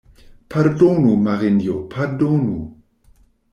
Pardonu, Marinjo, pardonu!